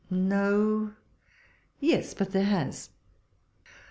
No '?— yes, but there has.